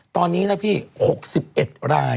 ตอนนี้นะพี่๖๑ราย